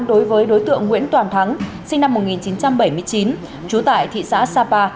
đối với đối tượng nguyễn toàn thắng sinh năm một nghìn chín trăm bảy mươi chín trú tại thị xã sapa